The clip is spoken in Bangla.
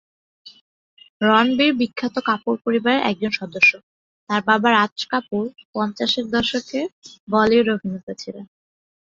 রণধীর বিখ্যাত কাপুর পরিবার এর একজন সদস্য, তার বাবা রাজ কাপুর পঞ্চাশের দশকের বলিউড অভিনেতা ছিলেন।